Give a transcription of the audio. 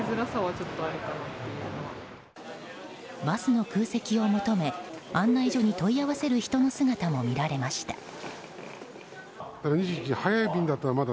バスの空席を求め案内所に問い合わせる人の姿も見られました。